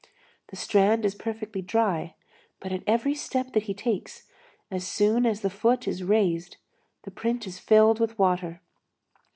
The strand is perfectly dry, but at every step that he takes, as soon as the foot is raised, the print is filled with water.